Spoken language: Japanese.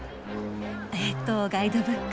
えとガイドブック。